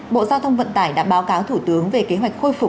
bộ giao thông vận tải đã báo cáo thủ tướng về kế hoạch khôi phục